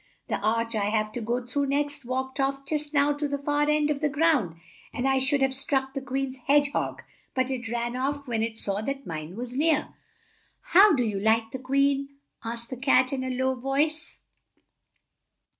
The arch I have to go through next walked off just now to the far end of the ground and I should have struck the Queen's hedge hog, but it ran off when it saw that mine was near!" "How do you like the Queen?" asked the Cat in a low voice.